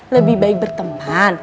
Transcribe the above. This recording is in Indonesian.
lebih baik berteman